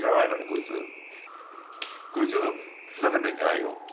これちょっとふざけてんじゃないよ。